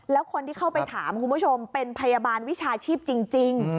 แล้วคนที่เข้าไปถามคุณผู้ชมเป็นพยาบาลวิชาชีพจริง